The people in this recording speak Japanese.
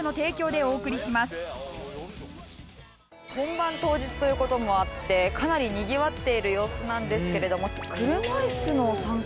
本番当日という事もあってかなりにぎわっている様子なんですけれども。